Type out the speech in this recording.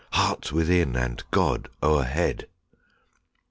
Heart within, and God o'erhead!